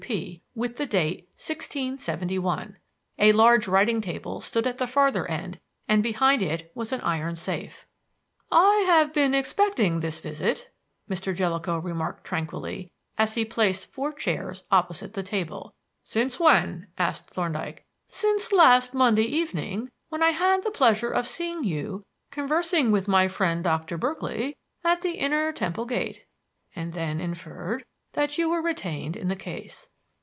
W. P." with the date "1671." A large writing table stood at the farther end, and behind it was an iron safe. "I have been expecting this visit," Mr. Jellicoe remarked tranquilly as he placed four chairs opposite the table. "Since when?" asked Thorndyke. "Since last Monday evening, when I had the pleasure of seeing you conversing with my friend Doctor Berkeley at the Inner Temple gate, and then inferred that you were retained in the case.